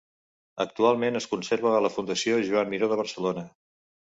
Actualment es conserva a la Fundació Joan Miró de Barcelona.